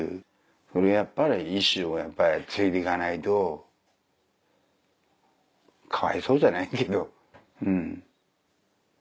それをやっぱり遺志を継いで行かないとかわいそうじゃないけどうん。